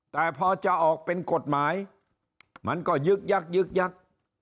แต่พอจะออกเป็นกฎหมายมันก็ยึกยักยึกยัก